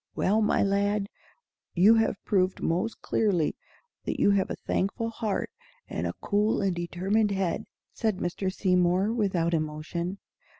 "Well, my lad, you have proved most clearly that you have a thankful heart and a cool and determined head," said Mr. Seymour, not without emotion.